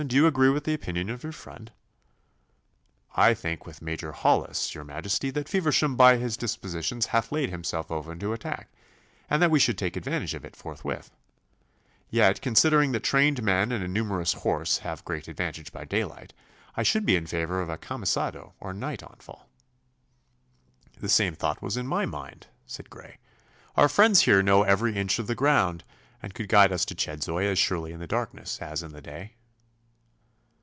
Do you agree with the opinion of your friend?' 'I think with Major Hollis, your Majesty, that Feversham by his dispositions hath laid himself open to attack, and that we should take advantage of it forthwith. Yet, considering that trained men and a numerous horse have great advantage by daylight, I should be in favour of a camisado or night onfall.' 'The same thought was in my mind,' said Grey. 'Our friends here know every inch of the ground, and could guide us to Chedzoy as surely in the darkness as in the day.